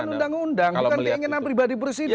bukan undang undang bukan keinginan pribadi presiden